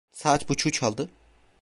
Saat buçuğu çaldı…